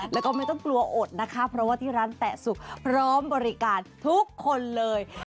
แล้วก็ไม่ต้องกลัวอดนะคะเพราะว่าที่ร้านแตะสุกพร้อมบริการทุกคนเลย